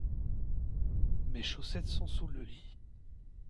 Mes chaussettes sont sous le lit.